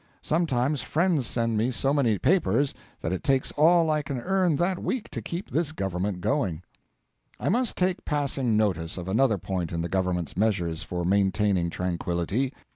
Sometimes friends send me so many papers that it takes all I can earn that week to keep this Government going. I must take passing notice of another point in the Government's measures for maintaining tranquillity.